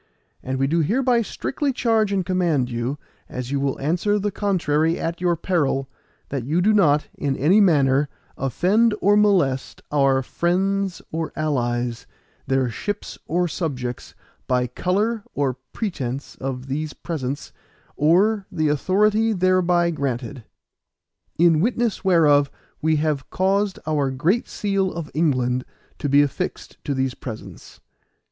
And we do hereby strictly charge and command you as you will answer the contrary at your peril, that you do not, in any manner, offend or molest our friends or allies, their ships, or subjects, by colour or pretence of these presents, or the authority thereby granted. In witness whereof we have caused our Great Seal of England to be affixed to these presents.